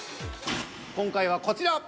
今回はこちら。